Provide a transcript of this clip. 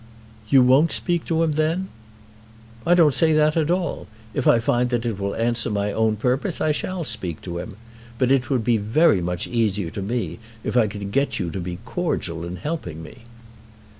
"You won't speak to him then?" "I don't say that at all. If I find that it will answer my own purpose I shall speak to him. But it would be very much easier to me if I could get you to be cordial in helping me."